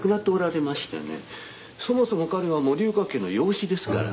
そもそも彼は森岡家の養子ですから。